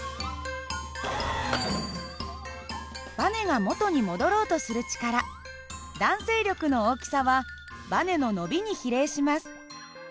ばねが元に戻ろうとする力弾性力の大きさはばねの伸びに比例します。